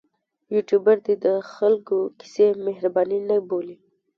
یوټوبر دې د خلکو کیسې مهرباني نه بولي.